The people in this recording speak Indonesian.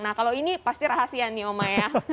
nah kalau ini pasti rahasia nih oma ya